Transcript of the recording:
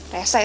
resah ya sih